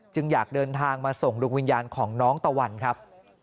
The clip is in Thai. อยากเดินทางมาส่งดวงวิญญาณของน้องตะวันครับ